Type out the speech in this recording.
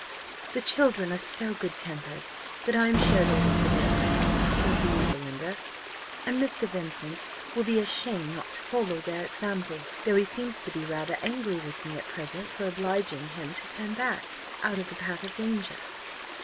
"The children are so good tempered, that I am sure they will forgive me," continued Belinda; "and Mr. Vincent will be ashamed not to follow their example, though he seems to be rather angry with me at present for obliging him to turn back out of the path of danger."